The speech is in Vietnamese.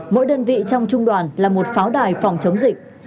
mỗi đơn vị trong trung đoàn là một pháo đài phòng chống dịch